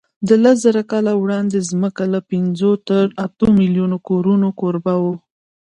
له لسزره کاله وړاندې ځمکه له پینځو تر اتو میلیونو کورونو کوربه وه.